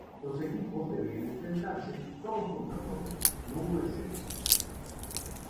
Los equipos debían enfrentarse todos contra todos, no hubo descenso.